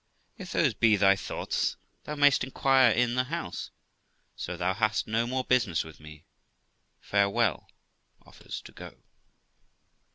Qu. If those be thy thoughts, thou may'st inquire in the house ; so thou hast no more business with me. Farewell ![ Offers to go.